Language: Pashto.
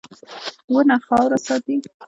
• ونه خاوره ساتي.